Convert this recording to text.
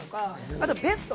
あとベスト